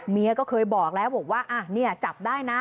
เมียก็เคยบอกแล้วบอกว่าเนี่ยจับได้นะ